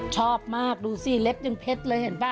ชอบมากดูสิเล็บยังเพชรเลยเห็นป่